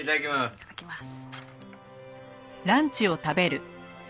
いただきます。